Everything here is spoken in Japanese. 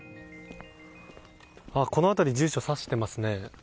この辺り住所、指していますね。